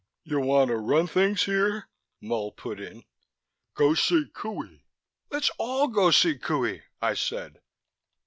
"You wanna run things here?" Mull put in. "Go see Qohey." "Let's all go see Qohey!" I said.